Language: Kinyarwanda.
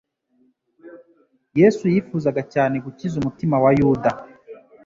Yesu yifuzaga cyane gukiza umutima wa Yuda.